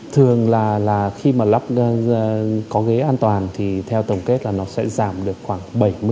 thường là khi mà lắp có ghế an toàn thì theo tổng kết là nó sẽ giảm được khoảng bảy mươi